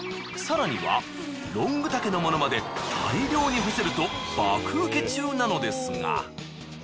更にはロング丈のものまで大量に干せると爆ウケ中なのですが。